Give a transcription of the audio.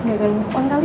enggak ada nelfon kali